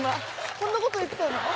こんなこと言ってたの？